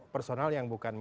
personal yang bukan